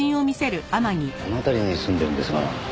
この辺りに住んでるんですが。